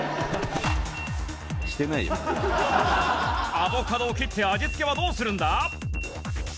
アボカドを切って味付けはどうするんだ？